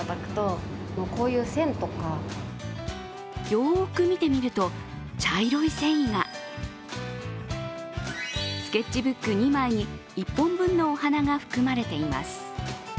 よーく見てみると、茶色い繊維がスケッチブック２枚に１本分のお花が含まれています。